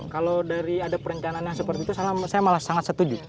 kalau dari ada perencanaan yang seperti itu saya malah sangat setuju